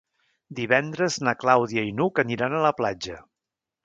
Divendres na Clàudia i n'Hug aniran a la platja.